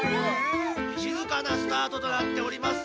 しずかなスタートとなっております。